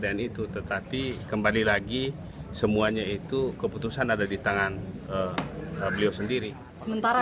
dan itu tetapi kembali lagi semuanya itu keputusan ada di tangan beliau sendiri sementara